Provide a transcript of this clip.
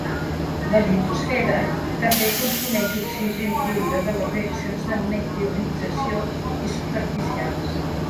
La litosfera també consumeix oxigen lliure de les reaccions de meteorització i superficials.